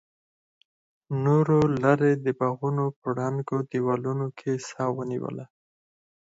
نورو لرې د باغونو په ړنګو دیوالونو کې سا ونیوله.